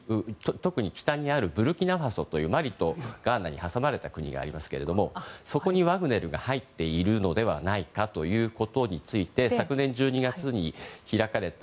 特に、北にあるブルキナファソとマリとガーナに挟まれた国がありますけれどもそこにワグネルが入っているのではないかということについて昨年１２月に開かれた